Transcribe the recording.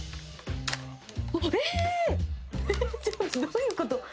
どういうこと？